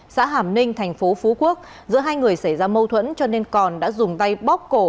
xã hàm ninh thành phố phú quốc giữa hai người xảy ra mâu thuẫn cho nên còn đã dùng tay bóc cổ